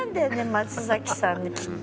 松崎さんねきっと。